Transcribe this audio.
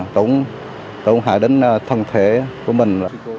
tổng hại đến thân thể của mình